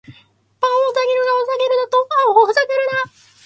バオウ・ザケルガを避けるだと！アホウ・フザケルナ！